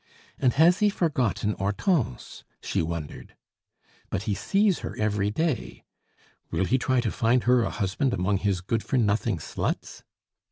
"And has he forgotten Hortense!" she wondered. "But he sees her every day; will he try to find her a husband among his good for nothing sluts?"